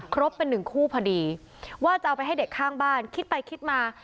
เป็นหนึ่งคู่พอดีว่าจะเอาไปให้เด็กข้างบ้านคิดไปคิดมา